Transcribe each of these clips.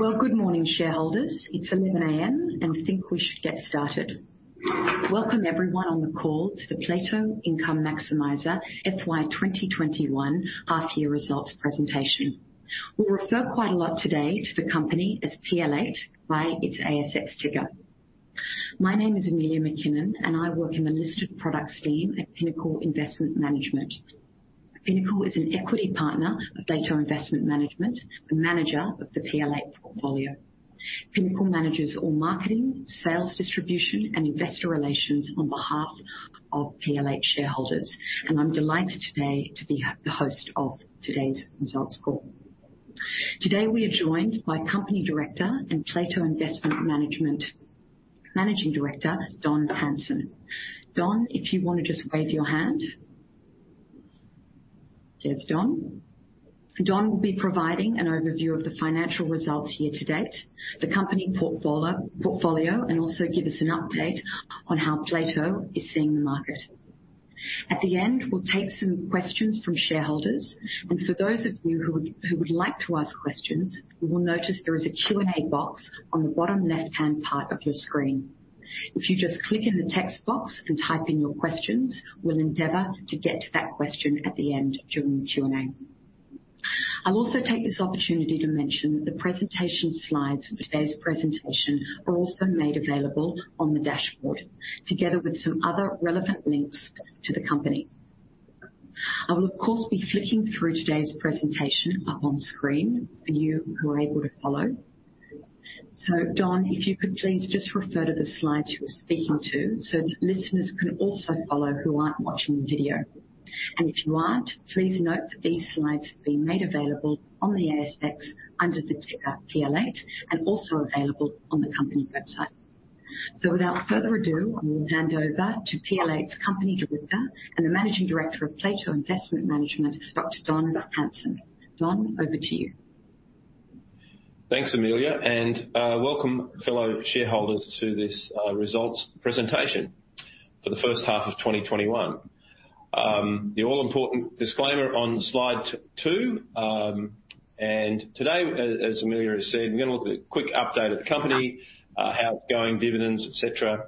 Well, good morning, shareholders. It's 11:00 A.M., and I think we should get started. Welcome everyone on the call to the Plato Income Maximiser FY 2021 half year results presentation. We'll refer quite a lot today to the company as PL8, by its ASX ticker. My name is Amelia McKinnon, and I work in the listed products team at Pinnacle Investment Management. Pinnacle is an equity partner of Plato Investment Management, the manager of the PL8 portfolio. Pinnacle manages all marketing, sales, distribution, and investor relations on behalf of PL8 shareholders, and I'm delighted today to be the host of today's results call. Today we are joined by company director and Plato Investment Management Managing Director, Don Hamson. Don, if you want to just wave your hand. There's Don. Don will be providing an overview of the financial results year to date, the company portfolio, and also give us an update on how Plato is seeing the market. At the end, we'll take some questions from shareholders, and for those of you who would like to ask questions, you will notice there is a Q&A box on the bottom left-hand part of your screen. If you just click in the text box and type in your questions, we'll endeavor to get to that question at the end during the Q&A. I'll also take this opportunity to mention that the presentation slides for today's presentation are also made available on the dashboard, together with some other relevant links to the company. I will, of course, be flicking through today's presentation up on screen for you who are able to follow. Don, if you could please just refer to the slides you are speaking to so that listeners can also follow who aren't watching the video. If you aren't, please note that these slides have been made available on the ASX under the ticker PL8 and also available on the company website. Without further ado, I will hand over to PL8's company director and the managing director of Plato Investment Management, Dr. Don Hamson. Don, over to you. Thanks, Amelia, and welcome fellow shareholders to this results presentation for the first half of 2021. The all-important disclaimer on slide two. Today, as Amelia has said, we're going to look at a quick update of the company, how it's going, dividends, et cetera,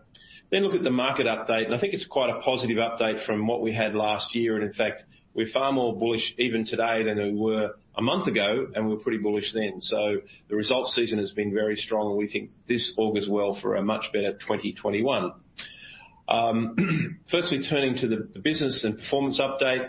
then look at the market update. I think it's quite a positive update from what we had lowest year. In fact, we're far more bullish even today than we were a month ago, and we were pretty bullish then. The results season has been very strong, and we think this augurs well for a much better 2021. First, we turn into the business and performance update.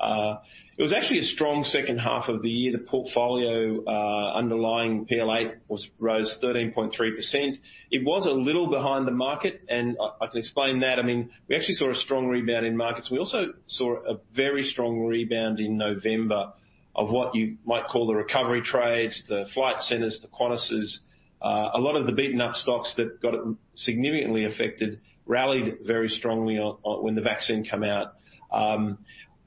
It was actually a strong second half of the year. The portfolio underlying PL8 rose 13.3%. It was a little behind the market, and I can explain that. We actually saw a strong rebound in markets. We also saw a very strong rebound in November of what you might call the recovery trades, the Flight Centre, the Qantas'. A lot of the beaten-up stocks that got significantly affected rallied very strongly when the vaccine come out.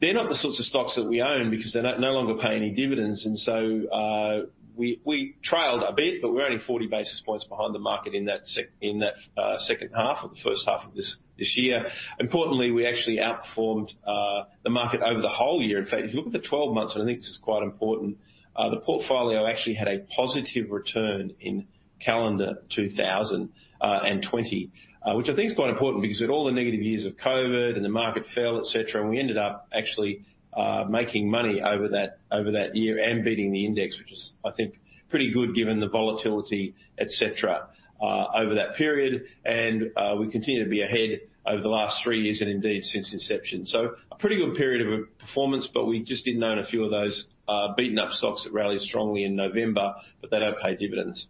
They're not the sorts of stocks that we own because they no longer pay any dividends, and so we trailed a bit, but we're only 40 basis points behind the market in that second half or the first half of this year. Importantly, we actually outperformed the market over the whole year. In fact, if you look at the 12 months, and I think this is quite important, the portfolio actually had a positive return in calendar 2020, which I think is quite important because with all the negative years of COVID and the market fell, et cetera, and we ended up actually making money over that year and beating the index, which is, I think, pretty good given the volatility, et cetera, over that period. We continue to be ahead over the last three years and indeed since inception. A pretty good period of performance, but we just didn't own a few of those beaten-up stocks that rallied strongly in November, but they don't pay dividends.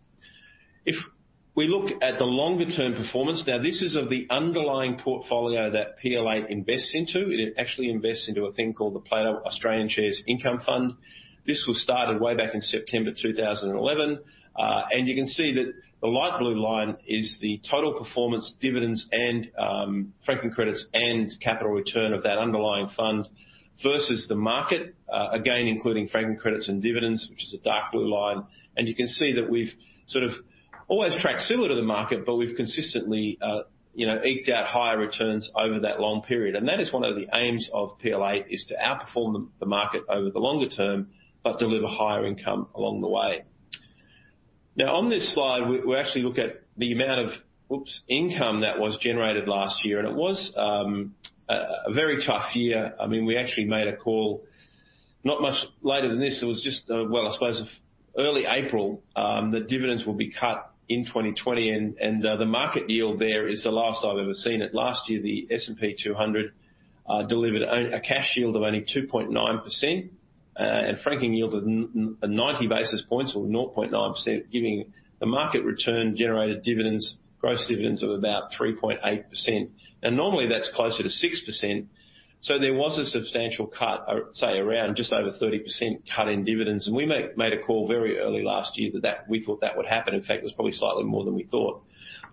If we look at the longer-term performance, now this is of the underlying portfolio that PL8 invests into. It actually invests into a thing called the Plato Australian Shares Income Fund. This was started way back in September 2011. You can see that the light blue line is the total performance dividends and franking credits and capital return of that underlying fund versus the market, again, including franking credits and dividends, which is a dark blue line. You can see that we've sort of always tracked similar to the market, but we've consistently eked out higher returns over that long period. That is one of the aims of PL8, is to outperform the market over the longer term but deliver higher income along the way. Now on this slide, we actually look at the amount of, whoops, income that was generated last year, and it was a very tough year. We actually made a call not much later than this. It was just, well, I suppose, early April, that dividends will be cut in 2020, and the market yield there is the last I've ever seen it. Last year, the S&P/ASX 200 delivered a cash yield of only 2.9% and franking yield of 90 basis points or 0.9%, giving the market return generated gross dividends of about 3.8%. Normally that's closer to 6%. There was a substantial cut of, say around just over 30% cut in dividends.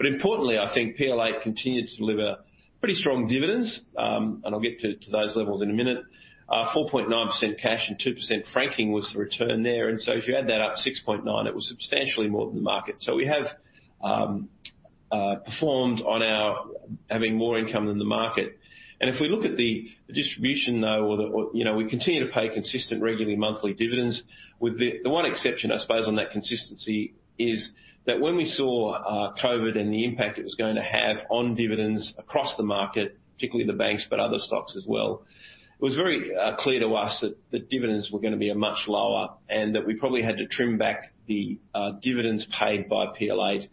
Importantly, I think PL8 continued to deliver pretty strong dividends, and I'll get to those levels in a minute. 4.9% cash and 2% franking was the return there. If you add that up, 6.9%, it was substantially more than the market. We have-Performed on our having more income than the market. If we look at the distribution though, we continue to pay consistent regular monthly dividends. The one exception, I suppose, on that consistency is that when we saw COVID and the impact it was going to have on dividends across the market, particularly the banks, but other stocks as well, it was very clear to us that dividends were going to be much lower, and that we probably had to trim back the dividends paid by PL8.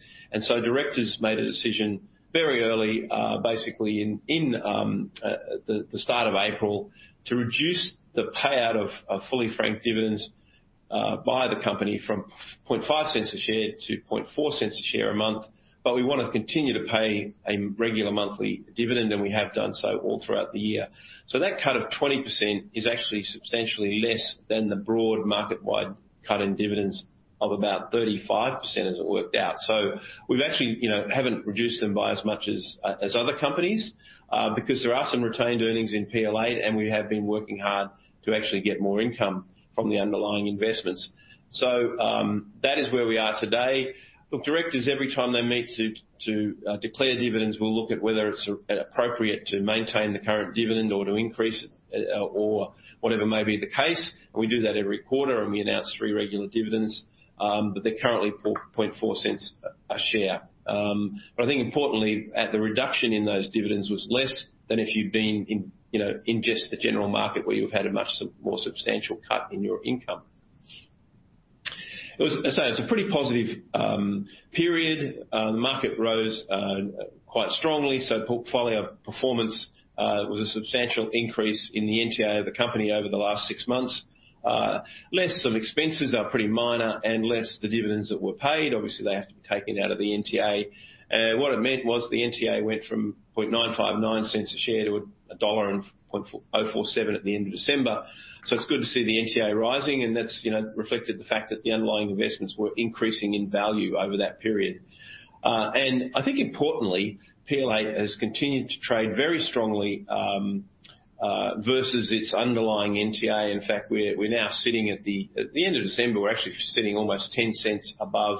Directors made a decision very early, basically in the start of April, to reduce the payout of fully franked dividends by the company from 0.005 a share to 0.004 a share a month. We want to continue to pay a regular monthly dividend, and we have done so all throughout the year. That cut of 20% is actually substantially less than the broad market-wide cut in dividends of about 35%, as it worked out. We've actually haven't reduced them by as much as other companies, because there are some retained earnings in PL8, and we have been working hard to actually get more income from the underlying investments. That is where we are today. Look, directors, every time they meet to declare dividends, will look at whether it's appropriate to maintain the current dividend or to increase it, or whatever may be the case. We do that every quarter, and we announce three regular dividends, but they're currently 0.004 a share. I think importantly, the reduction in those dividends was less than if you'd been in just the general market, where you've had a much more substantial cut in your income. It's a pretty positive period. The market rose quite strongly. Portfolio performance was a substantial increase in the NTA of the company over the last six months. Less of expenses are pretty minor, and less the dividends that were paid. Obviously, they have to be taken out of the NTA. What it meant was the NTA went from 0.959 a share to 1.047 dollar at the end of December. It's good to see the NTA rising and that's reflected the fact that the underlying investments were increasing in value over that period. I think importantly, PL8 has continued to trade very strongly versus its underlying NTA. In fact, we're now sitting at the end of December, we're actually sitting almost 0.10 above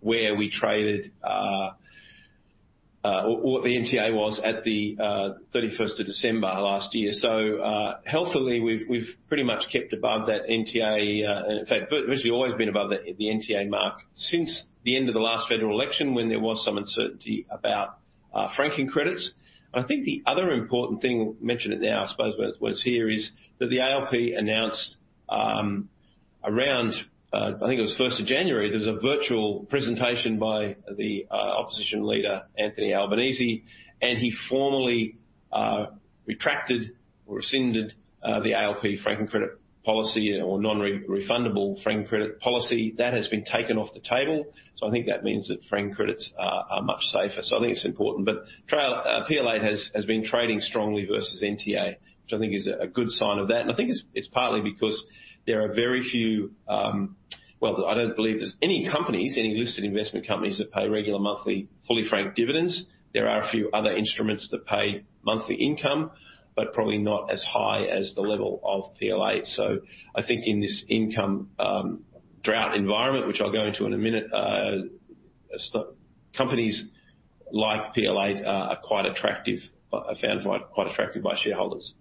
where we traded or what the NTA was at the 31st of December last year. Healthily, we've pretty much kept above that NTA. In fact, virtually always been above the NTA mark since the end of the last federal election, when there was some uncertainty about franking credits. I think the other important thing, mention it now, I suppose, while it's here, is that the ALP announced around, I think it was 1st of January, there was a virtual presentation by the opposition leader, Anthony Albanese, and he formally retracted or rescinded the ALP franking credit policy or non-refundable franking credit policy. That has been taken off the table, so I think that means that franking credits are much safer. I think it's important. PL8 has been trading strongly versus NTA, which I think is a good sign of that, and I think it's partly because there are very few, well, I don't believe there's any companies, any listed investment companies that pay regular monthly fully franked dividends. There are a few other instruments that pay monthly income, but probably not as high as the level of PL8. I think in this income drought environment, which I'll go into in a minute, companies like PL8 are found quite attractive by shareholders.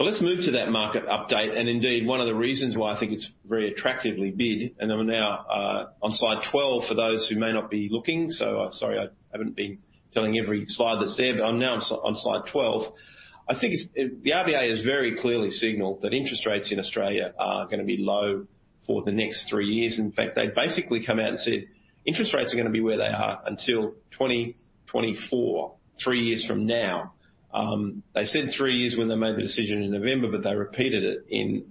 Let's move to that market update. Indeed, one of the reasons why I think it's very attractively bid, and we're now on slide 12 for those who may not be looking. Sorry, I haven't been telling every slide that's there, but I'm now on slide 12. I think the RBA has very clearly signaled that interest rates in Australia are going to be low for the next three years. In fact, they've basically come out and said interest rates are going to be where they are until 2024, three years from now. They said three years when they made the decision in November, they repeated it in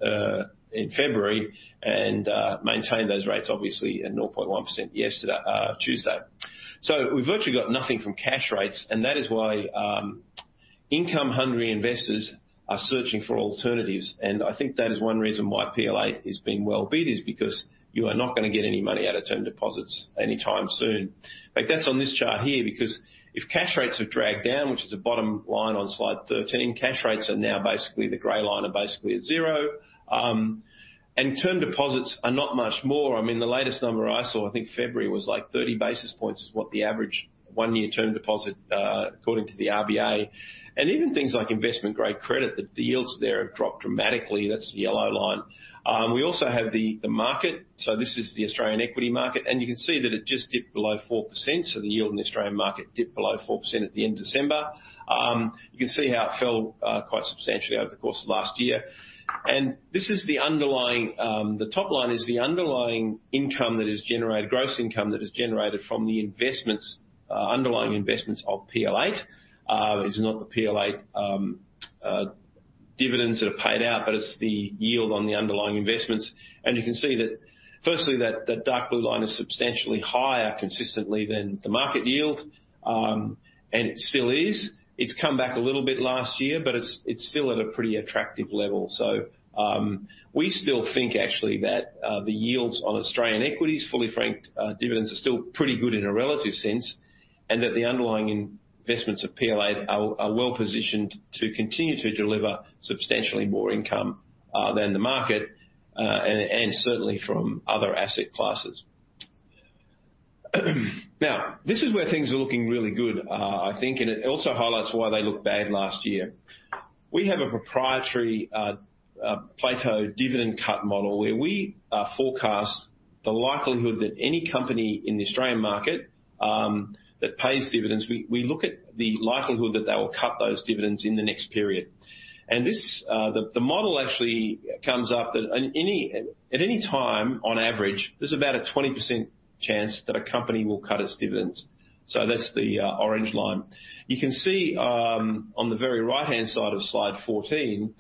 February and maintained those rates, obviously, at 0.1% Tuesday. We've virtually got nothing from cash rates, that is why income-hungry investors are searching for alternatives. I think that is one reason why PL8 is being well bid, is because you are not going to get any money out of term deposits anytime soon. In fact, that's on this chart here, because if cash rates are dragged down, which is the bottom line on slide 13, cash rates are now basically the gray line are basically at zero. Term deposits are not much more. The latest number I saw, I think February, was like 30 basis points is what the average one-year term deposit, according to the RBA. Even things like investment-grade credit, the yields there have dropped dramatically. That's the yellow line. We also have the market. This is the Australian equity market, and you can see that it just dipped below 4%. The yield in the Australian market dipped below 4% at the end of December. You can see how it fell quite substantially over the course of last year. The top line is the underlying income that is generated, gross income that is generated from the investments, underlying investments of PL8. It's not the PL8 dividends that are paid out, but it's the yield on the underlying investments. You can see that firstly, that the dark blue line is substantially higher consistently than the market yield. It still is. It's come back a little bit last year, but it's still at a pretty attractive level. We still think actually that the yields on Australian equities, fully franked dividends, are still pretty good in a relative sense. The underlying investments of PL8 are well-positioned to continue to deliver substantially more income than the market, and certainly from other asset classes. This is where things are looking really good. I think, it also highlights why they looked bad last year. We have a proprietary Plato dividend cut model where we forecast the likelihood that any company in the Australian market, that pays dividends, we look at the likelihood that they will cut those dividends in the next period. The model actually comes up at any time, on average, there is about a 20% chance that a company will cut its dividends. That is the orange line. You can see, on the very right-hand side of slide 14,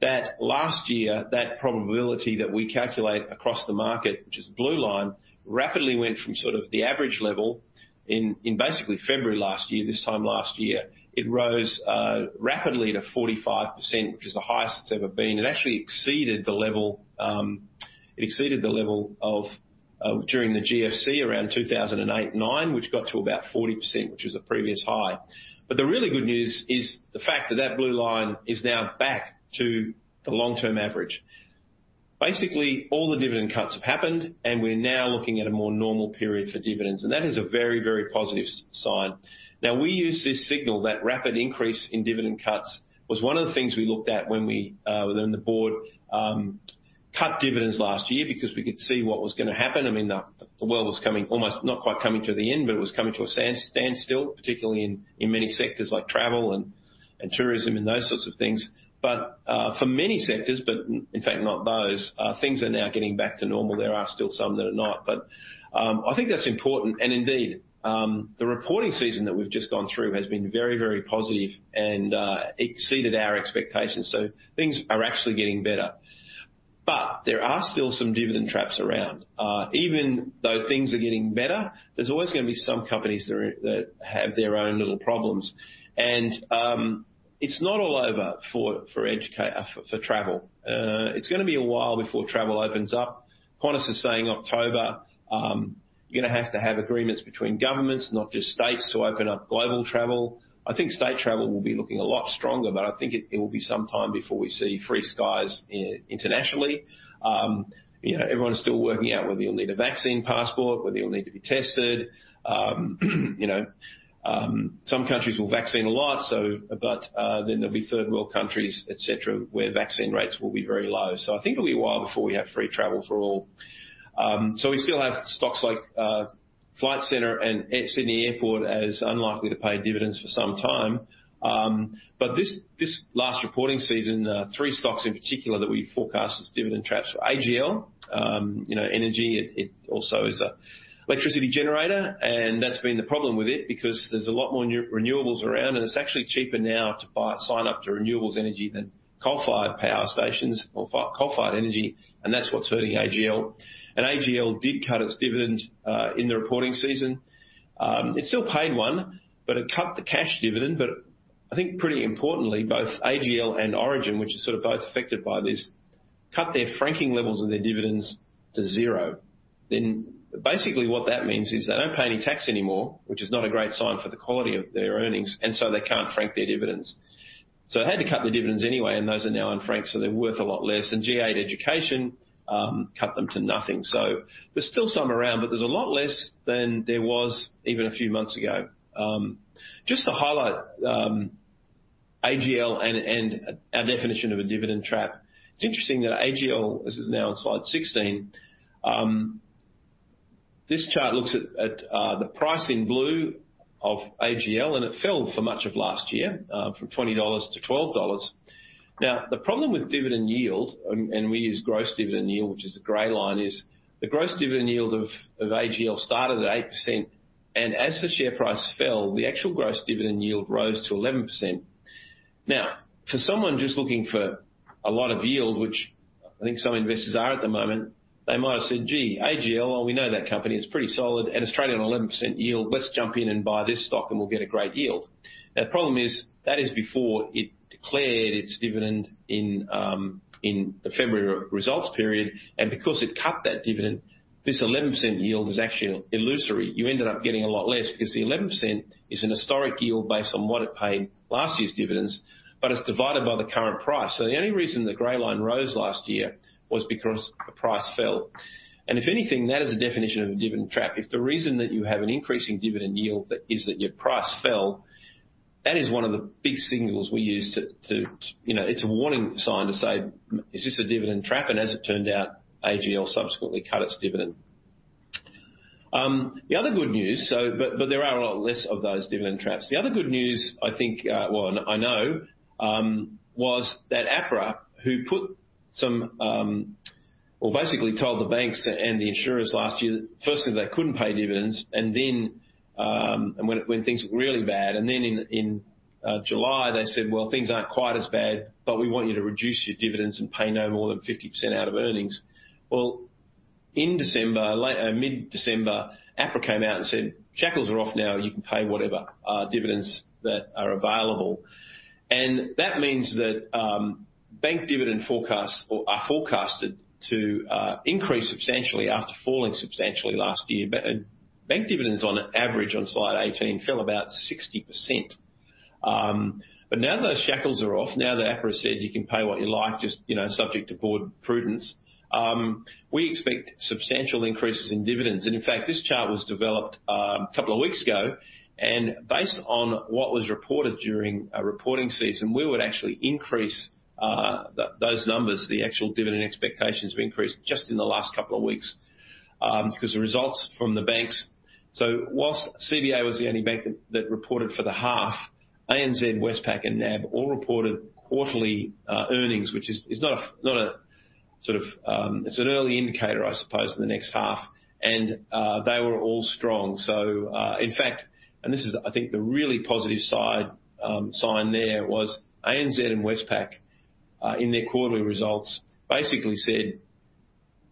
that last year, that probability that we calculate across the market, which is blue line, rapidly went from sort of the average level in basically February last year, this time last year. It rose rapidly to 45%, which is the highest it's ever been. It actually exceeded the level of during the GFC around 2008-9, which got to about 40%, which was a previous high. The really good news is the fact that that blue line is now back to the long-term average. Basically, all the dividend cuts have happened, and we're now looking at a more normal period for dividends. That is a very, very positive sign. We use this signal, that rapid increase in dividend cuts was one of the things we looked at when the board cut dividends last year because we could see what was going to happen. I mean, the world was almost not quite coming to the end, but it was coming to a standstill, particularly in many sectors like travel and tourism and those sorts of things. For many sectors, but in fact not those, things are now getting back to normal. There are still some that are not. I think that's important, and indeed, the reporting season that we've just gone through has been very, very positive and exceeded our expectations. Things are actually getting better. There are still some dividend traps around. Even though things are getting better, there's always going to be some companies that have their own little problems. It's not all over for travel. It's going to be a while before travel opens up. Qantas is saying October. You're going to have to have agreements between governments, not just states, to open up global travel. I think state travel will be looking a lot stronger, but I think it will be some time before we see free skies internationally. Everyone's still working out whether you'll need a vaccine passport, whether you'll need to be tested. Some countries will vaccine a lot, but then there'll be third-world countries, et cetera, where vaccine rates will be very low. I think it'll be a while before we have free travel for all. We still have stocks like Flight Centre and Sydney Airport as unlikely to pay dividends for some time. This last reporting season, three stocks in particular that we forecast as dividend traps are AGL. Energy, it also is a electricity generator, and that's been the problem with it because there's a lot more renewables around, and it's actually cheaper now to sign up to renewables energy than coal-fired power stations or coal-fired energy, and that's what's hurting AGL. AGL did cut its dividend in the reporting season. It still paid one, but it cut the cash dividend. I think pretty importantly, both AGL and Origin, which are sort of both affected by this, cut their franking levels of their dividends to zero. Basically what that means is they don't pay any tax anymore, which is not a great sign for the quality of their earnings, and so they can't frank their dividends. It had to cut the dividends anyway, and those are now unfranked, so they're worth a lot less. G8 Education cut them to nothing. There's still some around, but there's a lot less than there was even a few months ago. Just to highlight AGL and our definition of a dividend trap. It's interesting that AGL, this is now on slide 16. This chart looks at the price in blue of AGL, and it fell for much of last year, from 20 dollars to 12 dollars. The problem with dividend yield, and we use gross dividend yield, which is the gray line, is the gross dividend yield of AGL started at 8%, and as the share price fell, the actual gross dividend yield rose to 11%. For someone just looking for a lot of yield, which I think some investors are at the moment, they might have said, "Gee, AGL, well, we know that company. It's pretty solid, and Australian on 11% yield. Let's jump in and buy this stock, and we'll get a great yield." The problem is that is before it declared its dividend in the February results period. Because it cut that dividend, this 11% yield is actually illusory. You ended up getting a lot less because the 11% is an historic yield based on what it paid last year's dividends, but it's divided by the current price. The only reason the gray line rose last year was because the price fell. If anything, that is a definition of a dividend trap. If the reason that you have an increasing dividend yield is that your price fell, that is one of the big signals it's a warning sign to say, "Is this a dividend trap?" As it turned out, AGL subsequently cut its dividend. The other good news, there are a lot less of those dividend traps. The other good news, I think, well, I know, was that APRA, who basically told the banks and the insurers last year that firstly, they couldn't pay dividends, when things were really bad. In July, they said, "Well, things aren't quite as bad, but we want you to reduce your dividends and pay no more than 50% out of earnings." In December, mid-December, APRA came out and said, "Shackles are off now. You can pay whatever dividends that are available." That means that Bank dividend forecasts are forecasted to increase substantially after falling substantially last year. Bank dividends on average, on slide 18, fell about 60%. Now those shackles are off, now that APRA said you can pay what you like, just subject to board prudence, we expect substantial increases in dividends. In fact, this chart was developed a couple of weeks ago, and based on what was reported during a reporting season, we would actually increase those numbers, the actual dividend expectations have increased just in the last couple of weeks, because the results from the banks. Whilst CBA was the only bank that reported for the half, ANZ, Westpac and NAB all reported quarterly earnings, which is an early indicator, I suppose, for the next half. They were all strong. In fact, and this is, I think, the really positive sign there was ANZ and Westpac, in their quarterly results, basically said,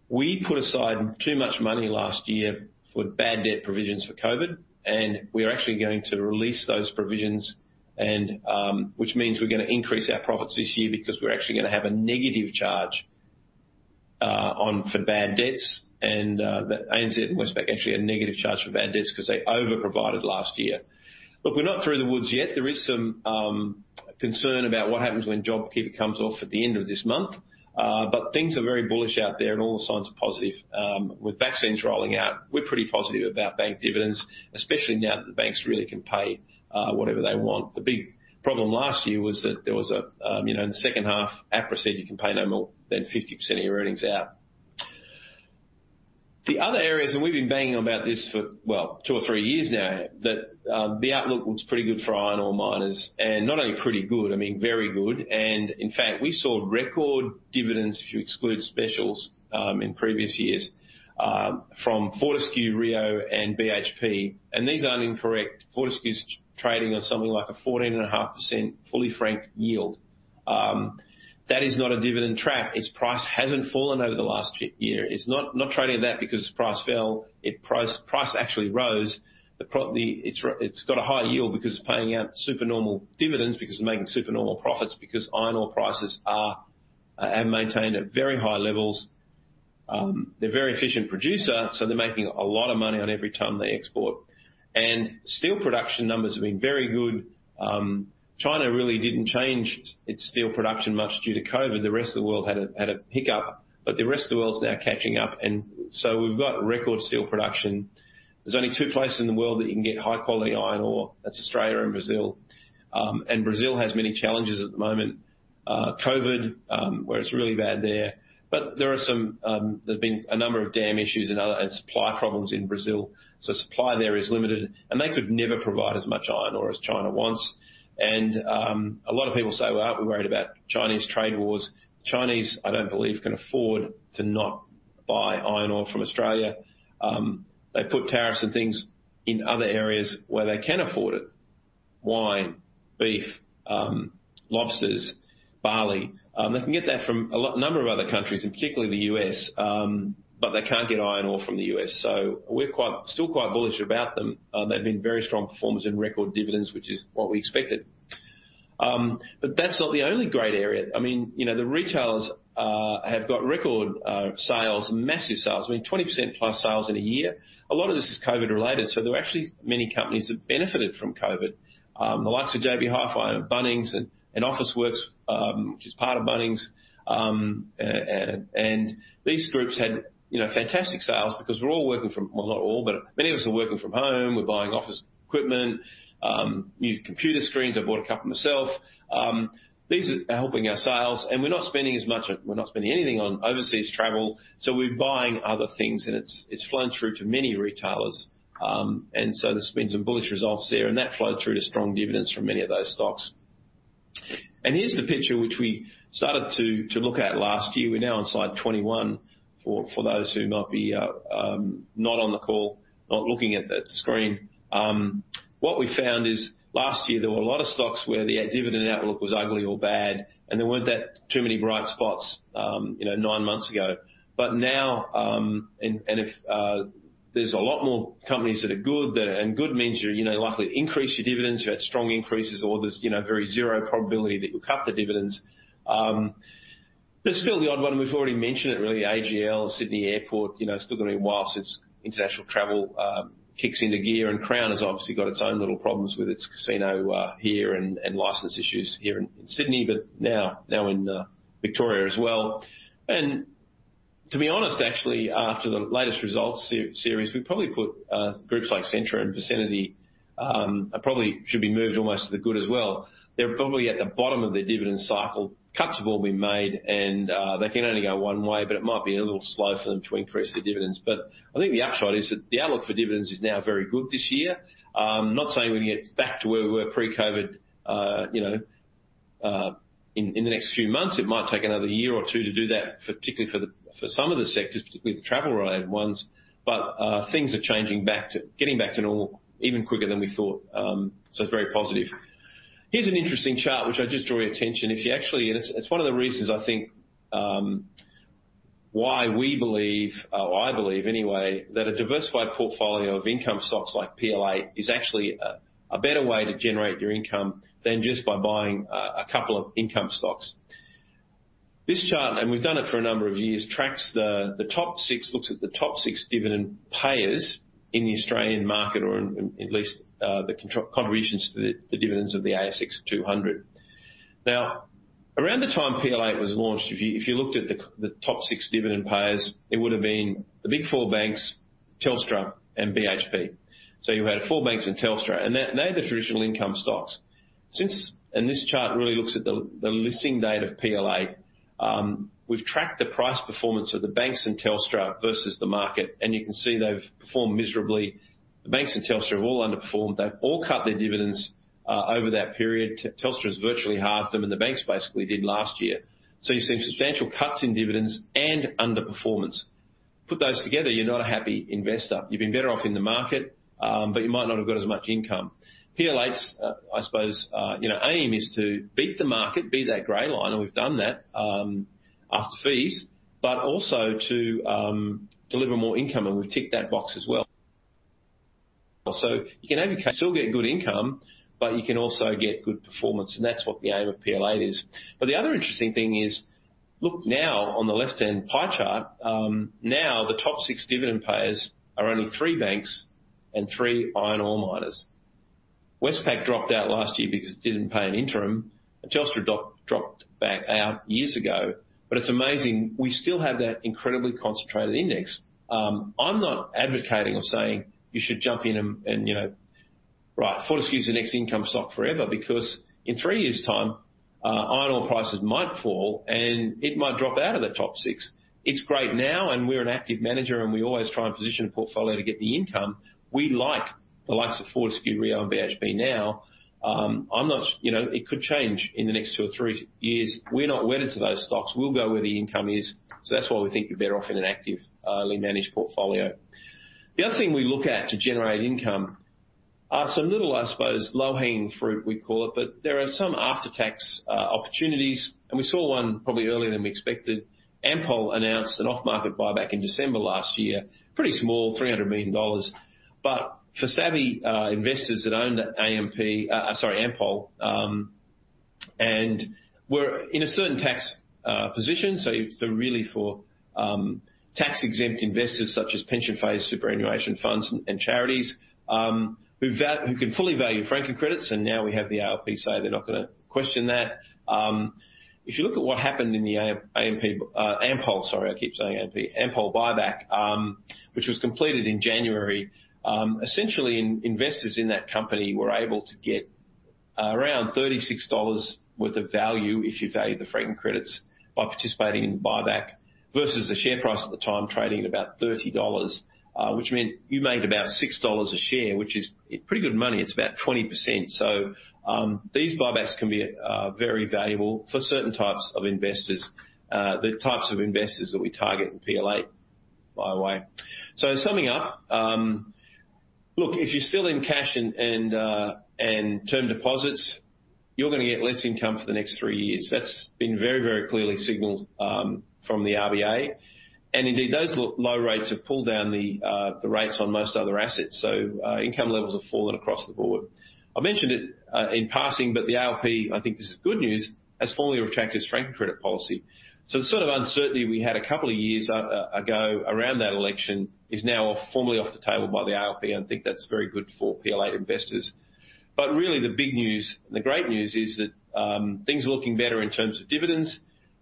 "We put aside too much money last year for bad debt provisions for COVID, and we are actually going to release those provisions, which means we're going to increase our profits this year because we're actually going to have a negative charge for bad debts." That ANZ and Westpac actually had a negative charge for bad debts because they over-provided last year. Look, we're not through the woods yet. There is some concern about what happens when JobKeeper comes off at the end of this month. Things are very bullish out there and all the signs are positive. With vaccines rolling out, we're pretty positive about bank dividends, especially now that the banks really can pay whatever they want. The big problem last year was that there was, in the second half, APRA said you can pay no more than 50% of your earnings out. The other areas, and we've been banging on about this for, well, two or three years now, that the outlook looks pretty good for iron ore miners. Not only pretty good, I mean, very good. In fact, we saw record dividends, if you exclude specials in previous years, from Fortescue, Rio, and BHP. These aren't incorrect. Fortescue's trading on something like a 14.5% fully franked yield. That is not a dividend trap. Its price hasn't fallen over the last year. It's not trading at that because its price fell. Its price actually rose. It's got a high yield because it's paying out super normal dividends, because it's making super normal profits, because iron ore prices are and maintained at very high levels. They're a very efficient producer, so they're making a lot of money on every ton they export. Steel production numbers have been very good. China really didn't change its steel production much due to COVID. The rest of the world had a pickup, but the rest of the world's now catching up, so we've got record steel production. There's only two places in the world that you can get high-quality iron ore. That's Australia and Brazil. Brazil has many challenges at the moment. COVID, where it's really bad there. But there have been a number of dam issues and supply problems in Brazil. Supply there is limited. They could never provide as much iron ore as China wants. A lot of people say, "Well, aren't we worried about Chinese trade wars?" Chinese, I don't believe, can afford to not buy iron ore from Australia. They put tariffs and things in other areas where they can afford it. Wine, beef, lobsters, barley. They can get that from a number of other countries, and particularly the U.S., but they can't get iron ore from the U.S. We're still quite bullish about them. They've been very strong performers and record dividends, which is what we expected. That's not the only great area. The retailers have got record sales, massive sales. I mean, 20%+ sales in a year. A lot of this is COVID-related, there are actually many companies that benefited from COVID. The likes of JB Hi-Fi and Bunnings and Officeworks, which is part of Bunnings. These groups had fantastic sales because well, not all, but many of us are working from home. We're buying office equipment, new computer screens. I've bought a couple myself. These are helping our sales. We're not spending anything on overseas travel. We're buying other things. It's flowing through to many retailers. There's been some bullish results there. That flows through to strong dividends from many of those stocks. Here's the picture which we started to look at last year. We're now on slide 21 for those who might be not on the call, not looking at that screen. What we found is last year, there were a lot of stocks where the dividend outlook was ugly or bad, and there weren't that too many bright spots nine months ago. Now, there's a lot more companies that are good, and good means you're likely to increase your dividends, you've had strong increases, or there's very zero probability that you'll cut the dividends. There's still the odd one, and we've already mentioned it really, AGL, Sydney Airport, still going to be a while since international travel kicks into gear. Crown has obviously got its own little problems with its casino here and license issues here in Sydney, but now in Victoria as well. To be honest, actually, after the latest results series, we probably put groups like Scentre and Vicinity, probably should be moved almost to the good as well. They're probably at the bottom of their dividend cycle. Cuts have all been made, and they can only go one way, but it might be a little slow for them to increase their dividends. I think the upshot is that the outlook for dividends is now very good this year. I'm not saying we're going to get back to where we were pre-COVID in the next few months. It might take another year or two to do that, particularly for some of the sectors, particularly the travel-related ones. Things are getting back to normal even quicker than we thought. It's very positive. Here's an interesting chart, which I just draw your attention. It's one of the reasons why we believe, or I believe anyway, that a diversified portfolio of income stocks like PL8 is actually a better way to generate your income than just by buying a couple of income stocks. This chart, and we've done it for a number of years, looks at the top six dividend payers in the Australian market, or at least the contributions to the dividends of the ASX 200. Around the time PL8 was launched, if you looked at the top six dividend payers, it would've been the Big Four banks, Telstra, and BHP. You had four banks and Telstra, and they're the traditional income stocks. This chart really looks at the listing date of PL8. We've tracked the price performance of the banks and Telstra versus the market, and you can see they've performed miserably. The banks and Telstra have all underperformed. They've all cut their dividends over that period. Telstra's virtually halved them, and the banks basically did last year. You've seen substantial cuts in dividends and underperformance. Put those together, you're not a happy investor. You've been better off in the market, but you might not have got as much income. PL8's, I suppose, aim is to beat the market, be that gray line, and we've done that, after fees, but also to deliver more income, and we've ticked that box as well. You can still get good income, but you can also get good performance, and that's what the aim of PL8 is. The other interesting thing is, look now on the left-hand pie chart. The top six dividend payers are only three banks and three iron ore miners. Westpac dropped out last year because it didn't pay an interim. Telstra dropped back out years ago. It's amazing, we still have that incredibly concentrated index. I'm not advocating or saying you should jump in and, Fortescue's the next income stock forever, because in three years' time, iron ore prices might fall, and it might drop out of the top six. It's great now, and we're an active manager, and we always try and position a portfolio to get the income. We like the likes of Fortescue, Rio, and BHP now. It could change in the next two or three years. We're not wedded to those stocks. We'll go where the income is. That's why we think you're better off in an actively managed portfolio. The other thing we look at to generate income are some little, I suppose, low-hanging fruit we call it, but there are some after-tax opportunities, and we saw one probably earlier than we expected. Ampol announced an off-market buyback in December last year. Pretty small, 300 million dollars. For savvy investors that own Ampol and were in a certain tax position, so really for tax-exempt investors such as pension phase superannuation funds and charities, who can fully value franking credits, and now we have the ALP say they're not going to question that. If you look at what happened in the Ampol, sorry, I keep saying AMP, Ampol buyback, which was completed in January. Essentially, investors in that company were able to get around 36 dollars worth of value if you value the franking credits by participating in the buyback, versus the share price at the time trading at about 30 dollars, which meant you made about 6 dollars a share, which is pretty good money. It's about 20%. These buybacks can be very valuable for certain types of investors, the types of investors that we target in PL8, by the way. Summing up. Look, if you're still in cash and term deposits, you're going to get less income for the next three years. That's been very, very clearly signaled from the RBA. Indeed, those low rates have pulled down the rates on most other assets, so income levels have fallen across the board. I mentioned it in passing, the ALP, I think this is good news, has formally retracted its franking credit policy. The sort of uncertainty we had a couple of years ago around that election is now formally off the table by the ALP, and I think that's very good for PL8 investors. Really the big news and the great news is that things are looking better in terms of dividends.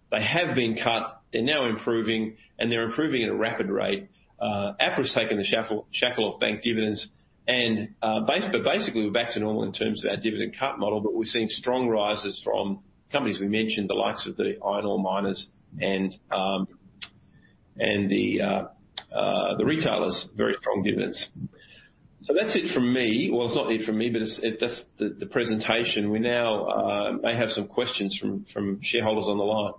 They have been cut. They're now improving, and they're improving at a rapid rate. APRA's taken the shackle off bank dividends. Basically, we're back to normal in terms of our dividend cut model, but we're seeing strong rises from companies we mentioned, the likes of the iron ore miners and the retailers, very strong dividends. That's it from me. Well, it's not it from me, but that's the presentation. We now may have some questions from shareholders on the line.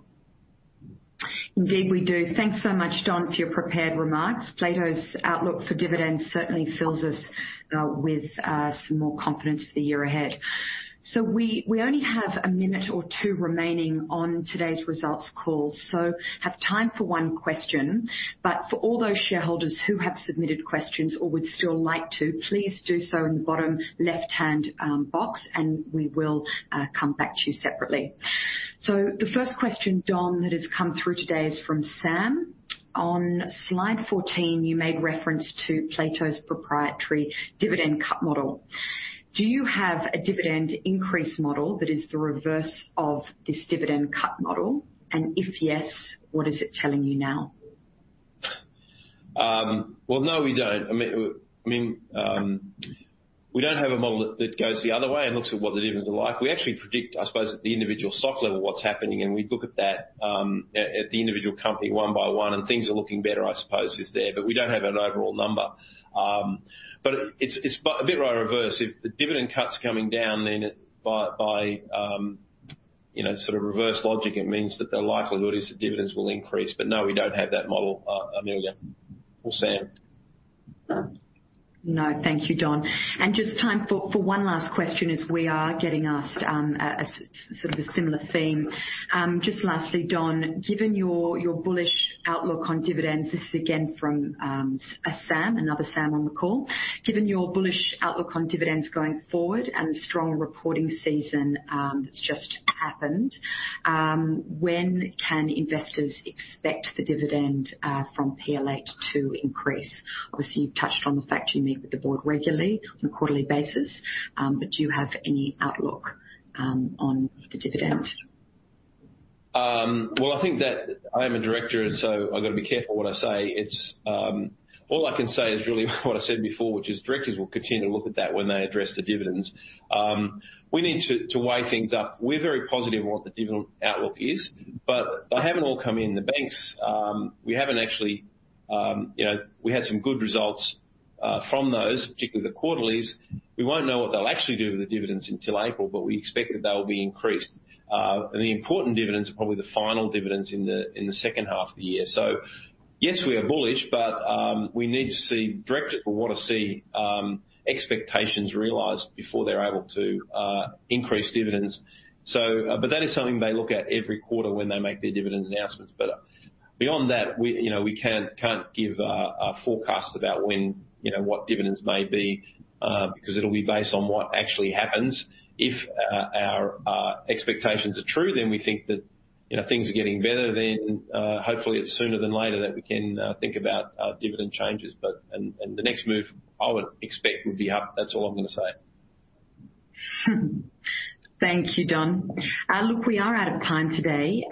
Indeed, we do. Thanks so much, Don, for your prepared remarks. Plato's outlook for dividends certainly fills us with some more confidence for the year ahead. We only have a minute or two remaining on today's results call, so have time for one question. For all those shareholders who have submitted questions or would still like to, please do so in the bottom left-hand box, and we will come back to you separately. The first question, Don, that has come through today is from Sam. On slide 14, you made reference to Plato's proprietary dividend cut model. Do you have a dividend increase model that is the reverse of this dividend cut model? If yes, what is it telling you now? Well, no, we don't. We don't have a model that goes the other way and looks at what the dividends are like. We actually predict, I suppose, at the individual stock level, what's happening, and we look at the individual company one by one, and things are looking better, I suppose, there. We don't have an overall number. It's a bit like a reverse. If the dividend cut's coming down, then by sort of reverse logic, it means that the likelihood is that dividends will increase. No, we don't have that model, Amelia or Sam. No. Thank you, Don. Just time for one last question as we are getting asked a similar theme. Just lastly, Don, given your bullish outlook on dividends, this is again from Sam, another Sam on the call. Given your bullish outlook on dividends going forward and the strong reporting season that's just happened, when can investors expect the dividend from PL8 to increase? Obviously, you've touched on the fact you meet with the board regularly on a quarterly basis. Do you have any outlook on the dividend? Well, I think that I am a director, and so I've got to be careful what I say. All I can say is really what I said before, which is directors will continue to look at that when they address the dividends. We need to weigh things up. We're very positive on what the dividend outlook is, but they haven't all come in. The banks, we had some good results from those, particularly the quarterlies. We won't know what they'll actually do with the dividends until April, but we expect that they'll be increased. The important dividends are probably the final dividends in the second half of the year. Yes, we are bullish, but directors will want to see expectations realized before they're able to increase dividends. That is something they look at every quarter when they make their dividend announcements. Beyond that, we can't give a forecast about what dividends may be, because it'll be based on what actually happens. If our expectations are true, then we think that things are getting better, then hopefully it's sooner than later that we can think about dividend changes. The next move I would expect would be up. That's all I'm going to say. Thank you, Don. Look, we are out of time today,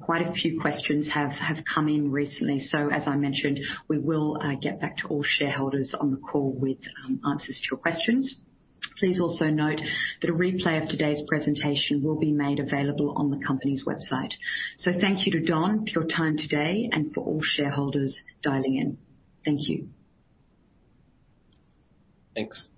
quite a few questions have come in recently. As I mentioned, we will get back to all shareholders on the call with answers to your questions. Please also note that a replay of today's presentation will be made available on the company's website. Thank you to Don for your time today and for all shareholders dialing in. Thank you. Thanks.